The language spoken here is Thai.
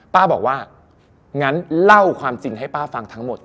ป้าบอกว่างั้นเล่าความจริงให้ป้าฟังทั้งหมด